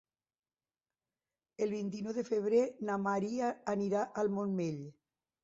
El vint-i-nou de febrer na Maria anirà al Montmell.